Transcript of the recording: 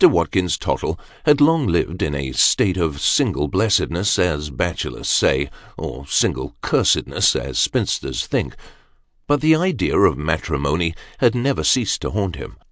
Watkins Tottle had long lived in a state of single blessedness, as bachelors say, or single cursedness, as spinsters think ; but the idea of matrimony had never ceased to haunt him.